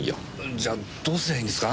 じゃどうすりゃいいんですか？